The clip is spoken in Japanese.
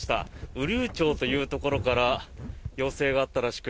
雨竜町というところから要請があったらしく